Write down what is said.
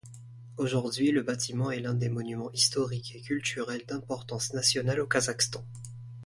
Aujourd'hui, le bâtiment est l'un des monuments historiques et culturels d'importance nationale au Kazakhstan.